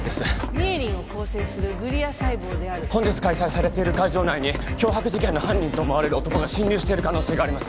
ミエリンを構成するグリア細胞である本日開催されている会場内に脅迫事件の犯人と思われる男が侵入している可能性があります